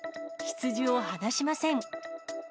羊を放しません。